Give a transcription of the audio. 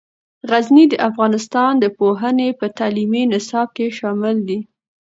غزني د افغانستان د پوهنې په تعلیمي نصاب کې شامل دی.